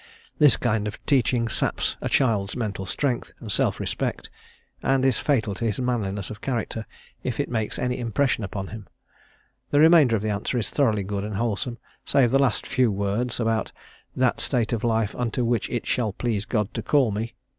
This kind of teaching saps a child's mental strength and self respect, and is fatal to his manliness of character if it makes any impression upon him. The remainder of the answer is thoroughly good and wholesome, save the last few words about "that state of life unto which it shall please God to call me."